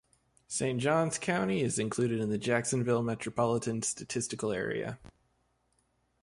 Saint Johns County is included in the Jacksonville Metropolitan Statistical Area.